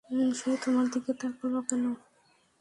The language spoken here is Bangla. সে তোমার দিকে তাকালো কেন?